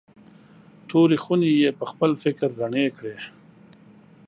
تورې خونې یې پخپل فکر رڼې کړې.